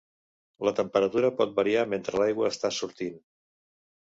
La temperatura pot variar mentre l'aigua està sortint.